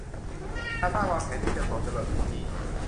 นาซ่าวางแผนที่จะส่งจรวดพรุ่งนี้